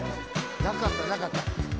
「なかったなかった」